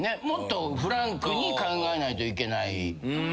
もっとフランクに考えないといけない。